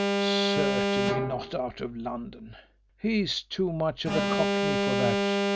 "Certainly not out of London. He's too much of a Cockney for that.